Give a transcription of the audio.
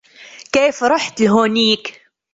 كيف رحت لهونيك ؟